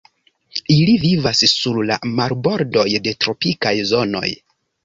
Ili vivas sur la marbordoj de tropikaj zonoj.